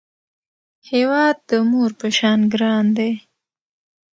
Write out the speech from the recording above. هیواد د مور په شان ګران دی